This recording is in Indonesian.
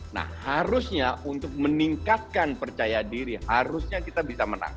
nah harusnya untuk meningkatkan percaya diri kita harus mencari pertandingan yang lebih baik